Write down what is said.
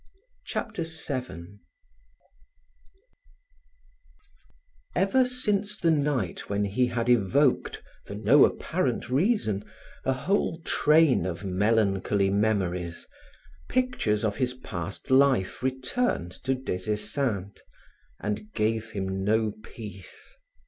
Chapter 7 Ever since the night when he had evoked, for no apparent reason, a whole train of melancholy memories, pictures of his past life returned to Des Esseintes and gave him no peace.